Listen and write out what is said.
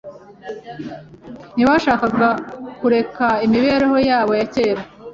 Ntibashakaga kureka imibereho yabo ya kera.